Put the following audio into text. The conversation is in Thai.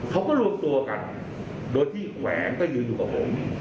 เขาก็รวมตัวกันโดยที่แขวนก็ยืนอยู่กับผม